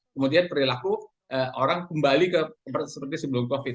kemudian perilaku orang kembali ke tempat seperti sebelum covid sembilan belas